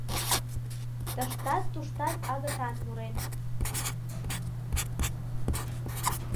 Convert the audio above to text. Тыштат-туштат агытан мурен.